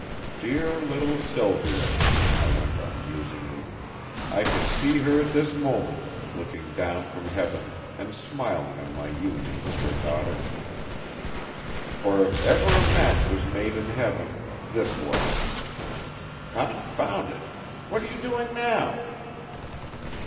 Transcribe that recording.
Dear little Sylvia," I went on musingly, "I can see her at this moment, looking down from heaven and smiling on my union with her daughter. For if ever a match was made in heaven this was. Confound it! what are you doing now?"